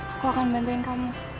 aku akan bantuin kamu